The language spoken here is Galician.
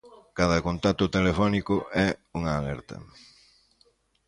Cada contacto telefónico é unha alerta.